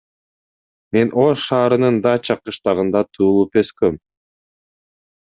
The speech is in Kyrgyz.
Мен Ош шаарынын Дача кыштагында туулуп өскөм.